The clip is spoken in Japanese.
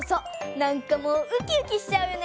なんかもうウキウキしちゃうよね！